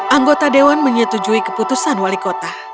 anggota dewan menyetujui keputusan wali kota